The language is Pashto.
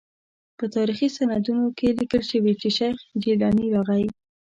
په تاریخي سندونو کې لیکل شوي چې شیخ جیلاني راغی.